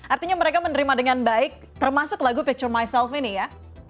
artinya mereka menerima dengan baik termasuk lagu picture myself ini ya